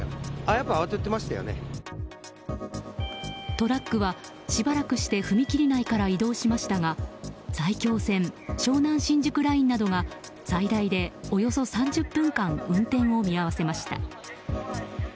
トラックは、しばらくして踏切内から移動しましたが埼京線、湘南新宿ラインなどが最大でおよそ３０分間運転を見合わせました。